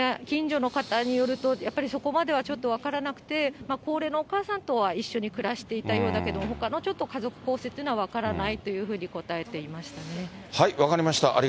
近所の方によると、やっぱりそこまではちょっと分からなくて、高齢のお母さんとは一緒に暮らしていたようだけども、ほかのちょっと家族構成っていうのは分からないというふうに答え分かりました。